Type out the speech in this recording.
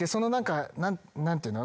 何ていうの？